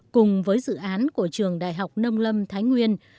cùng với dự án của trường đại học nông lâm thái nguyên